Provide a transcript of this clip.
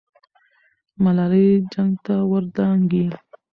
ملالۍ جنګ ته ور دانګي.